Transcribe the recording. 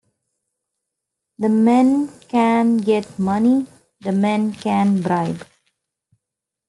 The men can get money, the men can bribe.